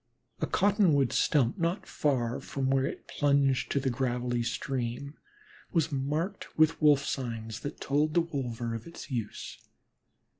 A cottonwood stump not far from where it plunged to the gravelly stream was marked with Wolf signs that told the wolver of its use.